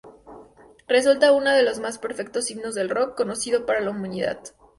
Resulta uno de los más perfectos himnos del rock conocidos para la humanidad".